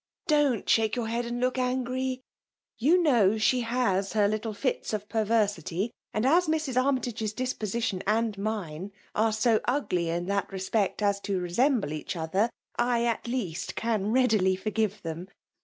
Don't shake your head and look so angry i You know she has hoT' little fits of perversity ; and as Mrs. Ar my tagc*s disposition and mine arc so ugly in that respect as to resemble each other, I, at least, can readily forgive them.